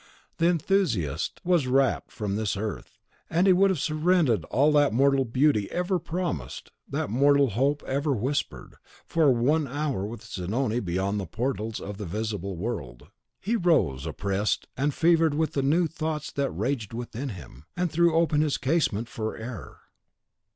The enthusiast was rapt from this earth; and he would have surrendered all that mortal beauty ever promised, that mortal hope ever whispered, for one hour with Zanoni beyond the portals of the visible world. He rose, oppressed and fevered with the new thoughts that raged within him, and threw open his casement for air.